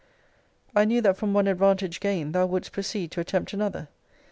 I knew that from one advantage gained, thou wouldest proceed to attempt another.